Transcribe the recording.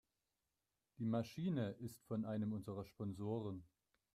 Die Maschine ist von einem unserer Sponsoren.